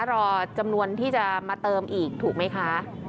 รอจำนวนที่จะมาเติมอีกถูกไหมคะ